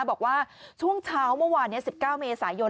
บอกว่าช่วงเช้าเมื่อวานนี้๑๙เมษายน